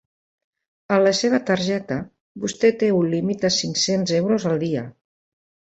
En la seva targeta vostè té un límit de cinc-cents euros al dia.